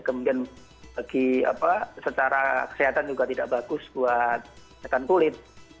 kemudian bagi apa secara kesehatan juga tidak bagus buat sehatkan kulit